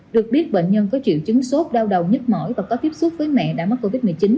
được biết bệnh nhân có triệu chứng sốt đau đầu nhức mỏi và có tiếp xúc với mẹ đã mắc covid một mươi chín